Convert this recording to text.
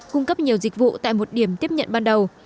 cung cấp nhiều dịch vụ tại một điểm tiếp nhận ban đầu